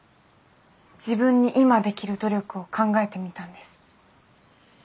自分に今できる努力を考えてみたんです。